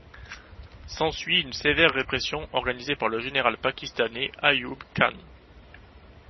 S'ensuit une sévère répression organisée par le général pakistanais Ayub Khan.